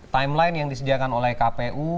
timeline yang disediakan oleh kpu